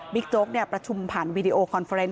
โจ๊กประชุมผ่านวีดีโอคอนเฟอร์เน็